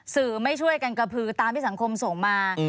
ไม่ช่วยกันกระพือตามที่สังคมส่งมา